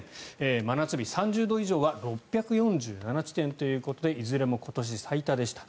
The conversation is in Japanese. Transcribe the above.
真夏日、３０度以上は６４７地点ということでいずれも今年最多でした。